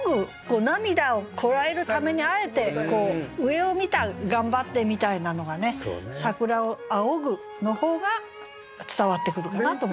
涙をこらえるためにあえて上を見た頑張ってみたいなのがね「桜を仰ぐ」の方が伝わってくるかなと思いますね。